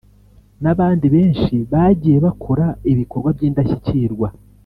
n’abandi benshi bagiye bakora ibikorwa by’indashyikirwa”